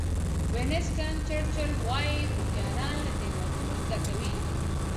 وینسټن چرچل وایي هوښیاران له تېروتنو زده کوي.